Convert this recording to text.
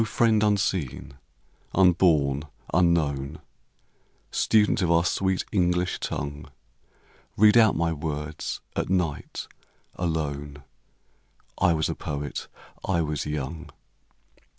friend unseen, unborn, unknown, Student of our sweet English tongue, Read out my words at night, alone : I was a poet, I was young.